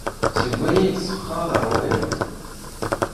Seg wayen i yi-d teseqqaḍ ṛwiɣ.